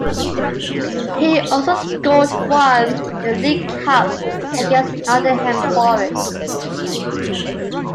He also scored once in the League Cup against Nottingham Forest.